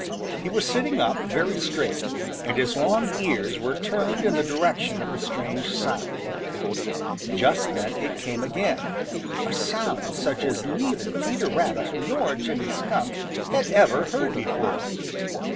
He was sitting up very straight, and his long ears were turned in the direction of the strange sound. Just then it came again, a sound such as neither Peter Rabbit nor Jimmy Skunk had ever heard before.